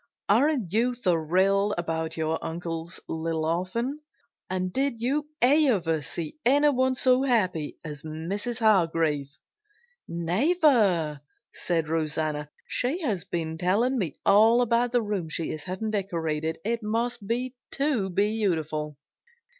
"Aren't you thrilled about your uncle's little orphan? And did you ever see anyone so happy as Mrs. Hargrave?" "Never!" said Rosanna. "She has been telling me all about the room she is having decorated. It must be too beautiful!"